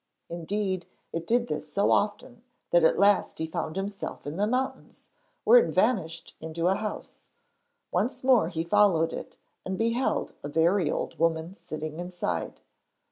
Indeed, it did this so often that at last he found himself in the mountains, where it vanished into a house. Once more he followed it and beheld a very old woman sitting inside.